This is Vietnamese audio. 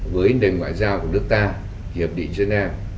với nền ngoại giao của nước ta hiệp định geneva